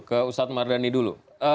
pak martdhani dulu